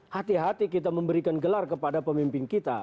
hati hati kita memberikan gelar kepada pemimpin kita